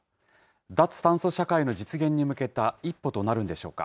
脱炭素社会の実現に向けた一歩となるんでしょうか。